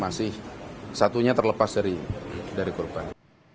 masih satunya terlepas dari korban